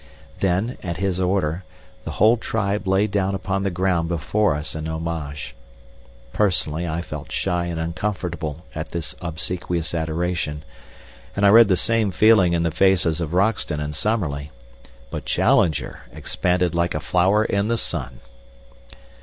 Then, at his order, the whole tribe lay down upon the ground before us in homage. Personally I felt shy and uncomfortable at this obsequious adoration, and I read the same feeling in the faces of Roxton and Summerlee, but Challenger expanded like a flower in the sun.